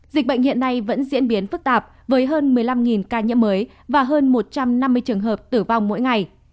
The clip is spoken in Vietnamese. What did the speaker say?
dịch bệnh hiện nay vẫn diễn biến phức tạp với hơn một mươi năm ca nhiễm mới và hơn một trăm năm mươi trường hợp tử vong mỗi ngày